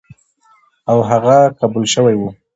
او هغه قبول شوی و،